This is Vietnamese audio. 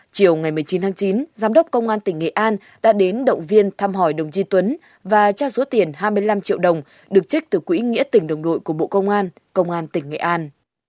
chiều ngày một mươi chín tháng chín giám đốc công an tỉnh nghệ an đã đến động viên thăm hỏi đồng chí tuấn và trao số tiền hai mươi năm triệu đồng được trích từ quỹ nghĩa tỉnh đồng đội của bộ công an công an tỉnh nghệ an